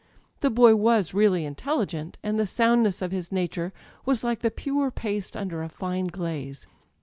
The boy was really intelli gent, and the soundness of his nature was like the pure paste under a fine glaze.